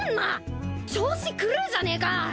調子狂うじゃねえか！